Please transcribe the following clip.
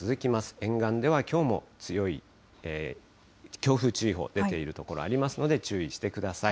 沿岸ではきょうも、強風注意報、出ている所ありますので、注意してください。